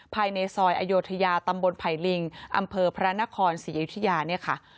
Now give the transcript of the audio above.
ภายในซอยอโยธยาตำบลไผ่ลิงอำเภอพระนครศรีอยุธยาเนี่ยค่ะ